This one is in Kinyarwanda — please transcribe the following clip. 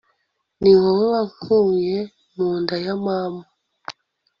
ni wowe wankuye mu nda ya mama